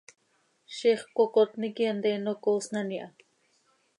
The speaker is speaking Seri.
Ziix cöcocotni quih hanteeno coosnan iha.